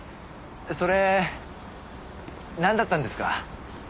それなんだったんですか？